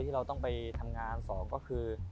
เราต้องไปทำงานสองก็คือ